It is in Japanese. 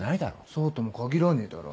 そうとも限らねえだろ。